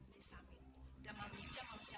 si samit dan manusia manusia